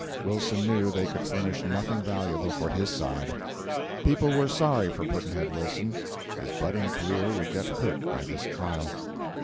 Wilson knew they could furnish nothing valuable for his side. People were sorry for Pudd'nhead; his budding career would get hurt by this trial.